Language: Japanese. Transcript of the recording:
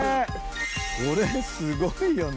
これすごいよね。